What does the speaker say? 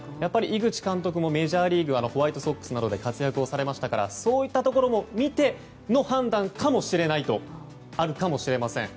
井口監督もメジャーリーグのホワイトソックスなどで活躍されましたからそういったところも見ての判断もあるかもしれません。